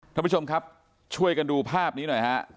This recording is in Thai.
ท่านผู้ชมครับช่วยกันดูภาพนี้หน่อยฮะ